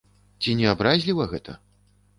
Ці не абразліва гэта?